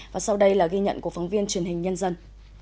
và sau đây là ghi nhận của phóng viên truyền hình nhân dân